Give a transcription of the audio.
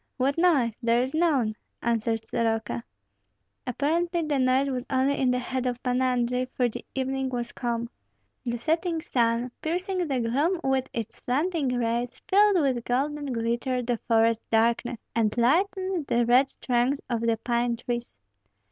"What noise? There is none," answered Soroka. Apparently the noise was only in the head of Pan Andrei, for the evening was calm. The setting sun, piercing the gloom with its slanting rays, filled with golden glitter the forest darkness, and lighted the red trunks of the pine trees.